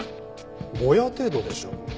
ボヤ程度でしょ。